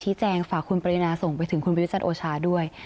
ถี้แจงฝากคุณปริญญาส่งไปถึงคุณปยุจจรันต์โอชาด้วย